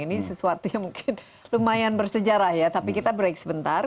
ini sesuatu yang mungkin lumayan bersejarah ya tapi kita break sebentar